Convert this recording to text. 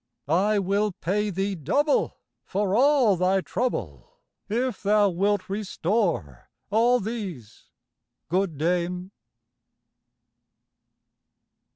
I will pay thee double, for all thy trouble, If thou wilt restore all these, good dame.